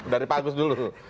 dari pak agus dulu